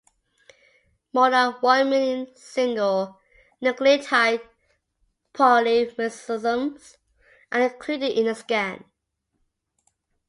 More than one million single nucleotide polymorphisms are included in the scan.